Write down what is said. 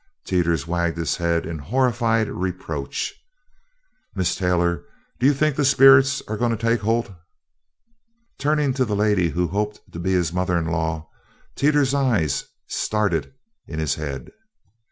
Teeters wagged his head in horrified reproach. "Mis' Taylor, do you think the sperrits are goin' to take holt?" Turning to the lady who hoped to be his mother in law, Teeters's eyes started in his head.